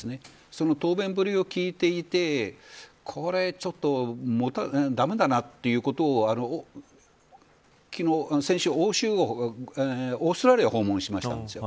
その答弁ぶりを聞いていてこれ、ちょっと駄目だなということを先週オーストラリアを訪問したんですよ。